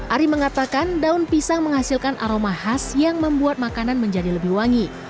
ari mengatakan daun pisang menghasilkan aroma khas yang membuat makanan menjadi lebih wangi